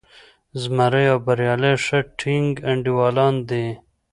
زمری او بریالی ښه ټینګ انډیوالان دي.